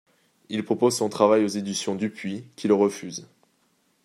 Il propose son travail aux éditions Dupuis, qui le refuse.